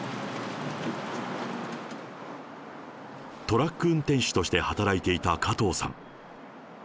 トラック運転手として働いていた加藤さん。